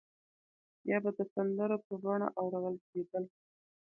یا به د سندرو په بڼه اورول کېدل.